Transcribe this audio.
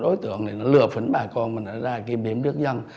đối tượng này nó lừa phấn bà con mình ra kìm đếm đức dân